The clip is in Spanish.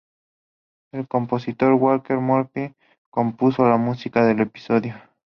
El compositor Walter Murphy compuso la música del episodio.